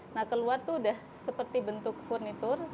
nah keluar itu sudah seperti bentuk furniture